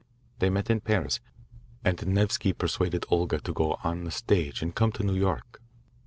They met in Paris, and Nevsky persuaded Olga to go on the stage and come to New York."